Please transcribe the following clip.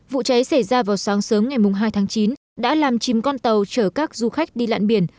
vụ cháy xảy ra vào sáng sớm ngày hai tháng chín đã làm chìm con tàu chở các du khách đi lặn biển